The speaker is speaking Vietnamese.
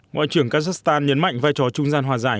ngoại trưởng kazakhstan nhấn mạnh vai trò trung gian hòa giải